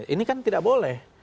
ini kan tidak boleh